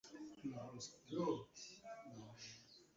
Nta kibazo mfitanye nibyo Tom yavuze